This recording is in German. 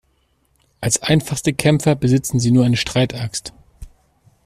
Als einfachste Kämpfer besitzen sie nur eine Streitaxt.